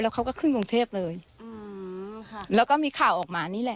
เขาก็ขึ้นกรุงเทพเลยอืมค่ะแล้วก็มีข่าวออกมานี่แหละ